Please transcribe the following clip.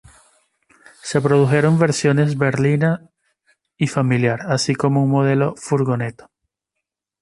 Se produjeron versiones berlina y familiar, así como un modelo furgoneta.